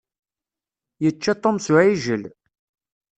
Yečča Tom s uɛijel.